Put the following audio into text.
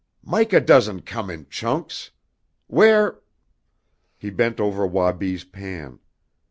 "Mica doesn't come in chunks! Where " He bent over Wabi's pan.